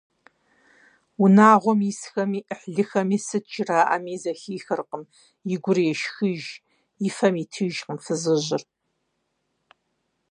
Унагъуэм исхэми Ӏыхьлыхэми сыт жраӀэми зэхихыркъым - и гур ешхыж, и фэм итыжкъым фызыжьыр.